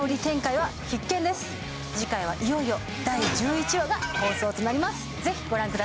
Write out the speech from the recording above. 次回は、いよいよ第１１話が放送となります。